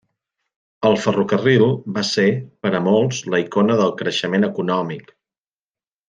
El ferrocarril va ser per a molts la icona del creixement econòmic.